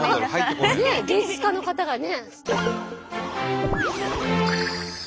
ねえ芸術家の方がね。